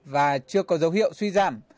và chưa có dấu hiệu suy giảm